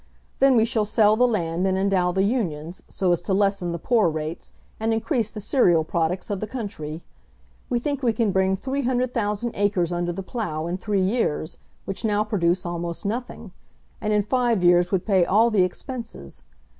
Then we shall sell the land and endow the unions, so as to lessen the poor rates, and increase the cereal products of the country. We think we can bring 300,000 acres under the plough in three years, which now produce almost nothing, and in five years would pay all the expenses.